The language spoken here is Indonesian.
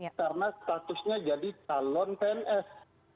karena statusnya jadi calon pns